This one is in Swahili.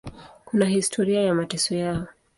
Kuna historia ya mateso yao.